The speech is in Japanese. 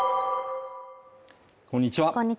こんにちは